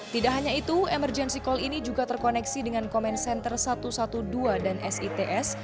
tidak hanya itu emergency call ini juga terkoneksi dengan comment center satu ratus dua belas dan sits